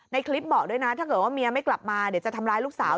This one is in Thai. คลิปบอกด้วยนะถ้าเกิดว่าเมียไม่กลับมาเดี๋ยวจะทำร้ายลูกสาว